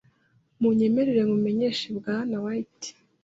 Munyemerere nkumenyeshe Bwana White .